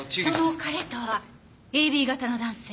その彼とはＡＢ型の男性。